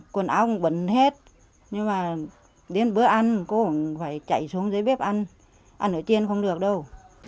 quần áo bấn hết nhưng mà đến bữa ăn cô cũng phải chạy xuống dưới bếp ăn ăn ở trên không được đâu